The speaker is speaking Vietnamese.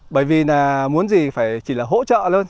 bởi vì muốn gì phải chỉ là hỗ trợ